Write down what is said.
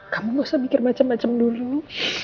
kamu gak usah mikir macam macam dulu